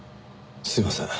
すいません。